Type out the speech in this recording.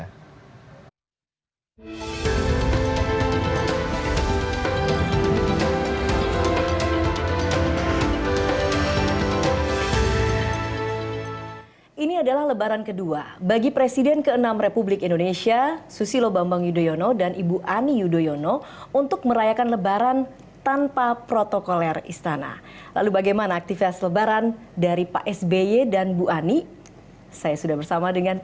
sby saat ini adalah seorang advisor bidang internasional di ct corp perusahaan induksian dan indonesia